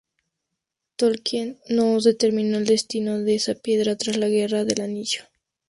Tolkien no determinó el destino de esa piedra tras la Guerra del Anillo.